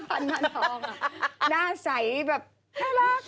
พันธองหน้าใสแบบน่ารัก